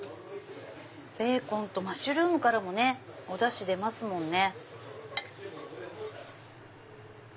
ベーコンとマッシュルームからもおダシ出ますもんね。